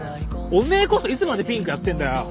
お前こそいつまでピンクやってんだよ！